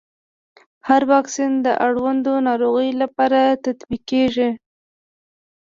هر واکسین د اړوندو ناروغيو لپاره تطبیق کېږي.